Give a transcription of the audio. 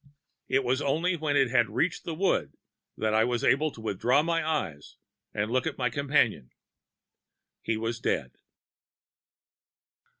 It was only when it had reached the wood that I was able to withdraw my eyes and look at my companion. He was dead."